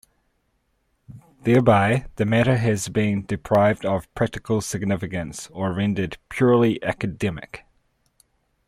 Thereby the matter has been deprived of practical significance or rendered purely academic.